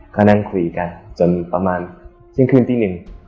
เขานั่งคุยกันจนประมาณเที่ยงคืนตีหนึ่ง